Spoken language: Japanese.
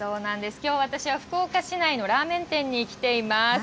きょう、私は福岡市内のラーメン店に来ています。